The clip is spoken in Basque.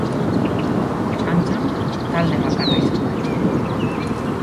Kantxan talde bakarra izan da.